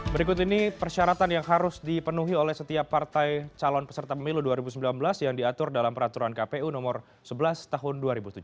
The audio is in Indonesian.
berikut ini persyaratan yang harus dipenuhi oleh setiap partai calon peserta pemilu dua ribu sembilan belas yang diatur dalam peraturan kpu nomor sebelas tahun dua ribu tujuh belas